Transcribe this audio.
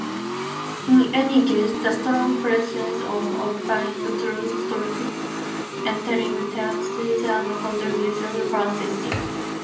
In any case, the strong presence of occupying troops, entailing taxes and contributions, persisted.